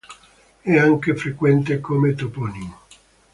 È anche frequente come toponimo.